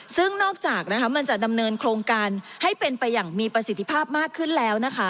ซึ่งนอกจากมันจะดำเนินโครงการให้เป็นไปอย่างมีประสิทธิภาพมากขึ้นแล้วนะคะ